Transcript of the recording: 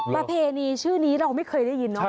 ประเพณีชื่อนี้เราไม่เคยได้ยินเนาะ